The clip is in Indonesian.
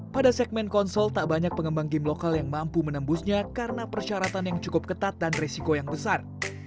pada segmen konsol tak banyak pengembang game lokal yang mampu menembusnya karena persyaratan yang cukup ketat dan risiko yang besar